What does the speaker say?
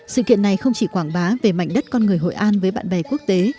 sự kiện này không chỉ quảng bá về mảnh đất con người hội an với bạn bè quốc tế